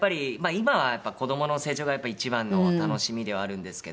今は子どもの成長が一番の楽しみではあるんですけど。